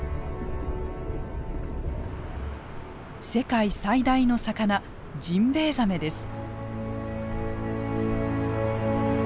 世界最大の魚ジンベエザメです。